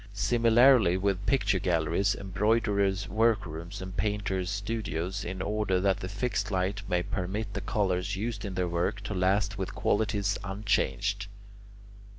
Similarly with picture galleries, embroiderers' work rooms, and painters' studios, in order that the fixed light may permit the colours used in their work to last with qualities unchanged.